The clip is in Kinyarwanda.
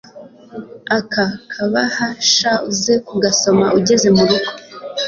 aka kabahashauze kugasoma ugeze murugo